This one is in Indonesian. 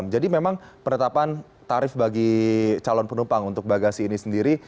jadi memang penetapan tarif bagi calon penumpang untuk bagasi ini sendiri